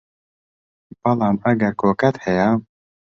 بەڵام ئەگەر کۆکەت هەیە